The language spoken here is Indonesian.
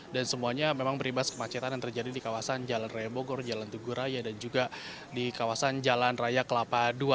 dan semuanya memang beribas kemacetan yang terjadi di kawasan jalan raya bogor jalan tugur raya dan juga di kawasan jalan raya kelapa dua